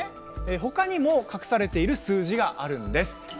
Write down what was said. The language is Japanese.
他にも隠されている数字があるんです。